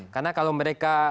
karena kalau mereka